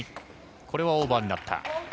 これはオーバーになった。